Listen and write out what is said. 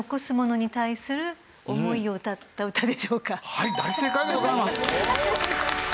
はい大正解でございます！